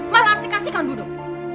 malah asik asikan duduk